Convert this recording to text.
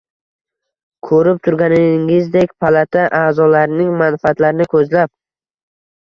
Ko‘rib turganingizdek palata a’zolarining manfaatlarini ko‘zlab!